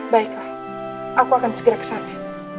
baiklah aku akan segera kesana